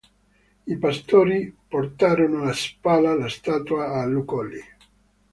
I pastori portarono a spalla la statua a Lucoli.